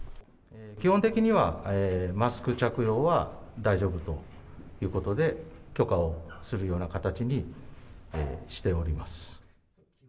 基本的には、マスク着用は大丈夫ということで、許可をするような形にしております。